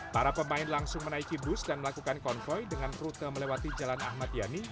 para pemain langsung menaiki bus dan melakukan konvoy dengan rute melewati jalan ahmad yani